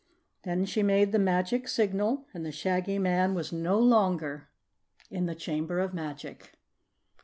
Then she made the magic signal, and the Shaggy Man was no longer in the Chamber of Magic.